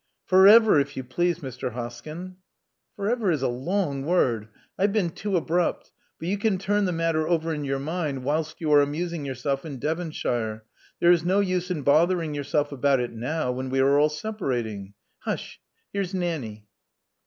'*For ever, if you please, Mr. Hoskyn." For ever is a long word. I've been too abrupt But you can turn the matter over in your mind whilst you are amusing yourself in Devonshire. There is no use in bothering yourself about it now, when we are all separating. Hush. Here's Nanny."